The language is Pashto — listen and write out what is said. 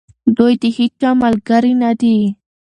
دوی د هیچا ملګري نه دي.